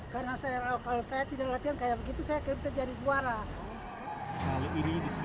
karena kalau saya tidak latihan kayak begitu saya bisa jadi juara